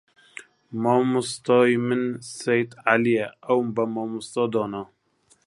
مامۆستای من سەید عەلیە ئەوم بە مامۆستا دانا